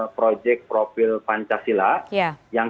projek profil pancasila yang